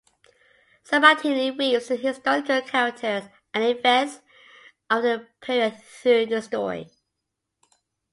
Sabatini weaves the historical characters and events of the period through the story.